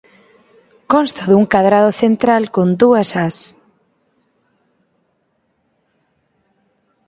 Consta dun cadrado central con dúas ás.